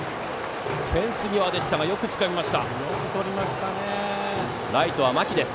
フェンス際でしたがよくつかんだ。